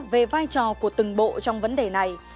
về vai trò của từng bộ trong vấn đề này